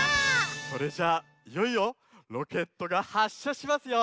それじゃあいよいよロケットがはっしゃしますよ。